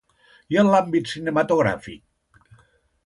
I en l'àmbit cinematogràfic?